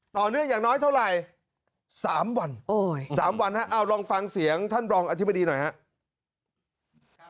ต่อเนื่องอย่างน้อยเท่าไรสามวันโอ้ยสามวันฮะเอ้าลองฟังเสียงท่านบรองอธิบดีหน่อยฮะ